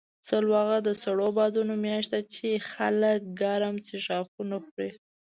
سلواغه د سړو بادونو میاشت ده، چې خلک ګرم څښاکونه خوري.